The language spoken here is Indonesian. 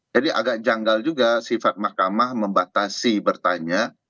agak janggal juga sifat mahkamah membatasi bertanya